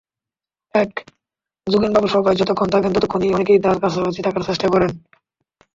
এক, যোগেনবাবু সভায় যতক্ষণ থাকেন, ততক্ষণ অনেকেই তাঁর কাছাকাছি থাকার চেষ্টা করেন।